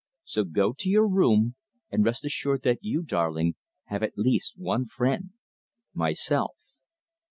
So go to your room, and rest assured that you, darling, have at least one friend myself."